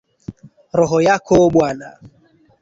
Roho yako bwana